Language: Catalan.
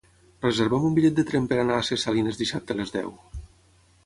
Reserva'm un bitllet de tren per anar a Ses Salines dissabte a les deu.